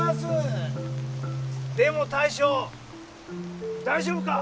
でも大将大丈夫か？